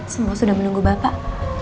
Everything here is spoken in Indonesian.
semua sudah menunggu bapak